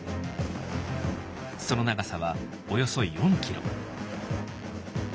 その長さはおよそ４キロ。